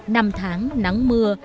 năm tháng nắng mưa